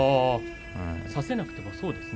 差せなくてもそうですね。